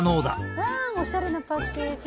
うわおしゃれなパッケージ！